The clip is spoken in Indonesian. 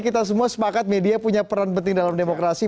kita semua sepakat media punya peran penting dalam demokrasi